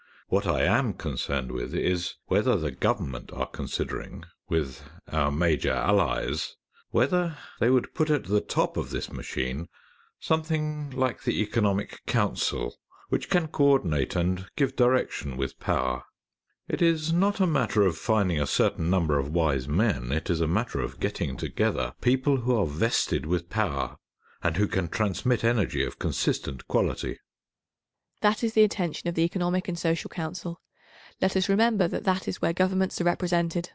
What I am concerned with is whether the Government are considering, with our major Allies, whether they would put at the top of this machine something like the Economic Council, which can co ordinate, and give direction with power. It is not a matter of finding a certain number of wise men. It is a matter of getting together people who are vested with power, and who can transmit energy of consistent quality.